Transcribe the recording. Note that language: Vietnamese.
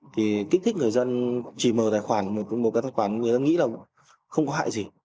thì kích thích người dân chỉ mở tài khoản một cái tài khoản người ta nghĩ là không có hại gì